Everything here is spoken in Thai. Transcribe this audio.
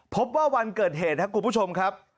พบว่าวันเกิดเหตุครับคุณผู้ชมครับ